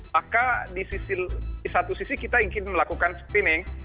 maka di satu sisi kita ingin melakukan screening